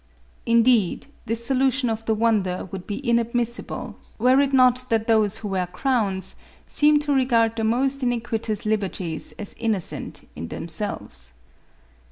Indeed, this solution of the wonder would be inadmissible, were it not that those who wear crowns seem to regard the most iniquitous liberties as innocent in themselves.